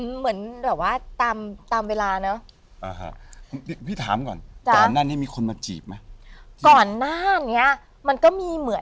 เหมือนแบบว่าตามเวลาเนอะ